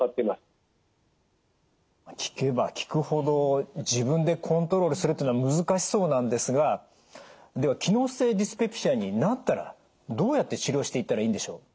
聞けば聞くほど自分でコントロールするというのは難しそうなんですがでは機能性ディスペプシアになったらどうやって治療していったらいいんでしょう？